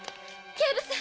警部さん。